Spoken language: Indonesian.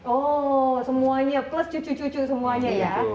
oh semuanya plus cucu cucu semuanya ya